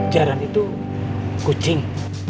jaran itu kucing